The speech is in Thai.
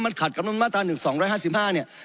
มันขัดกับนุนมาตรา๑๒๕๕เนี่ย